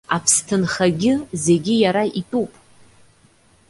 Аԥсҭынхагьы зегьы иара итәуп.